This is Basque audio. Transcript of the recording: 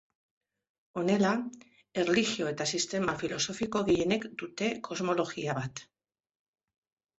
Honela, erlijio eta sistema filosofiko gehienek dute kosmologia bat.